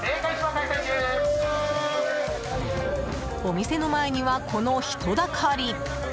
お店の前には、この人だかり。